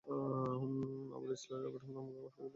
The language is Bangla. আবার ইসরায়েল রকেট হামলার মুখে হাত গুটিয়ে বসেও থাকতে পারবে না।